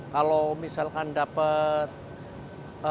kalau misalkan dapat bed